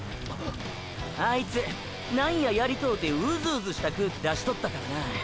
あいつ何ややりとうてウズウズした空気出しとったからな。